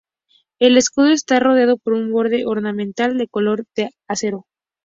El escudo está rodeado por un borde ornamental de color acero.